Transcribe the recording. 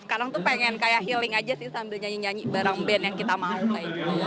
sekarang tuh pengen kayak healing aja sih sambil nyanyi nyanyi bareng band yang kita mau kayak gitu